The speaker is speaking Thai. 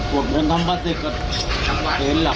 ห่วงคนทำพาศิกครับ